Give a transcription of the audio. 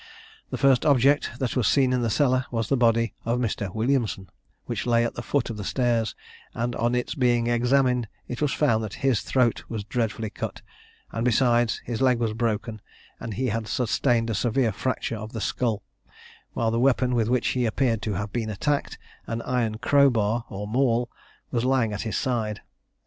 The first object that was seen in the cellar was the body of Mr. Williamson, which lay at the foot of the stairs; and on its being examined, it was found that his throat was dreadfully cut, and that besides his leg was broken, and he had sustained a severe fracture of the skull, while the weapon with which he appeared to have been attacked, an iron crow bar or maul, was lying at his side.